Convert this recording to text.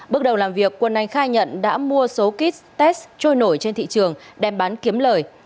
bước đầu làm việc quân anh khai nhận đã mua số kit test trôi nổi trên thị trường đem bán kiếm lời